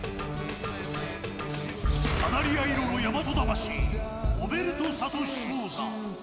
カナリア色の大和魂ホベルト・サトシ・ソウザ。